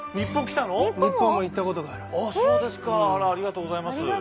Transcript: あらありがとうございます。